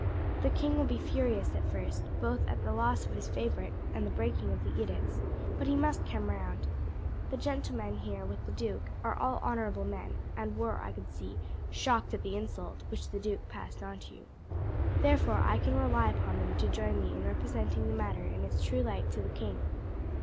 The king will be furious at first, both at the loss of his favourite and the breaking of the edicts; but he must come round. The gentlemen here with the duke are all honourable men, and were, I could see, shocked at the insult which the duke passed on you. Therefore I can rely upon them to join me in representing the matter in its true light to the king.